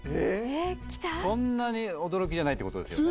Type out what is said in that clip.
そんなに驚きじゃないってことですよね？